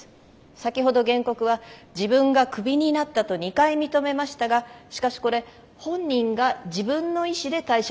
先ほど原告は自分がクビになったと２回認めましたがしかしこれ本人が自分の意思で退職届を書いています。